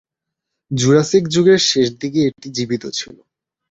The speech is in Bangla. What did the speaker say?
জুরাসিক যুগের শেষ দিকে এটি জীবিত ছিল।